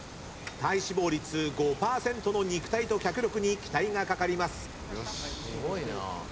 体脂肪率５％の肉体と脚力に期待がかかります。